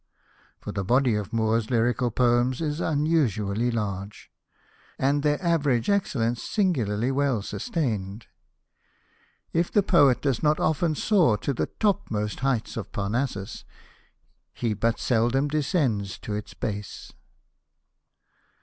For the body of Moore's lyrical poems is unusually large, and their average excellence singularly well sustained. If the poet does not often soar to the topmost heights of Parnassus, he but seldom descends to its base.